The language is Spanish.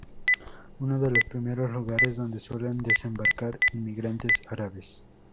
Uno de los primeros lugares donde suelen desembarcar inmigrantes árabes.